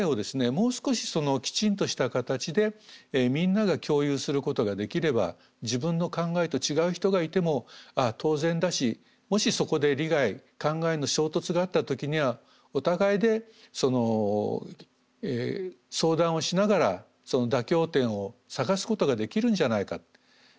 もう少しきちんとした形でみんなが共有することができれば自分の考えと違う人がいても当然だしもしそこで利害考えの衝突があった時にはお互いで相談をしながらその妥協点を探すことができるんじゃないかって。